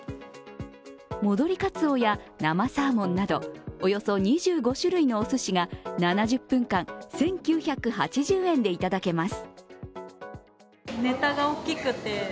戻りカツオや生サーモンなどおよそ２５種類のお寿司が７０分間、１９８０円でいただけます。